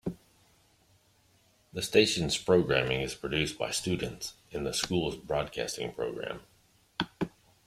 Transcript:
The station's programming is produced by students in the school's Broadcasting program.